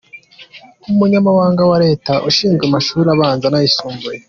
Umunyamabanga wa Leta ushinzwe amashuri abanza n’ayisumbuye,